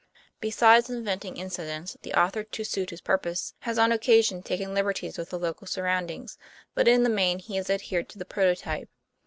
Besides inventing incidents, the author, to suit his purpose, has on occasion taken liberties with the local surroundings; but in the main he has adhered to the prototype.